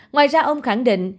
ngoài ra ông khẳng định